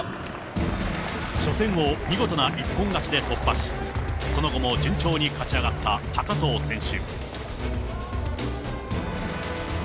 初戦を見事な一本勝ちで突破し、その後も順調に勝ち上がった高藤選手。